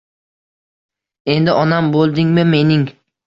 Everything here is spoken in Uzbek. Endi onam boʻldingmi mening